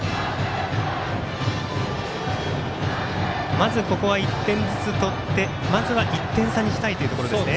まずここは１点ずつとってまずは１点差にしたいというところですね。